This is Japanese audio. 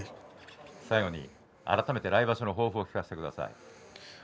最後に改めて来場所の抱負を聞かせてください。